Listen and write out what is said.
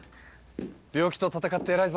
病気と闘って偉いぞ！